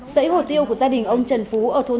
sẫy hồ tiêu của gia đình ông trần phú